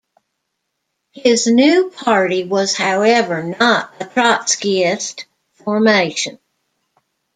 His new party was however not a trotskyist formation.